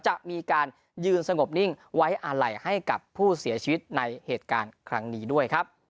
จะมีการยืนสงบนิ่งไว้อาลัยให้กับผู้เสียชีวิตในเหตุการณ์ครั้งนี้ด้วยครับ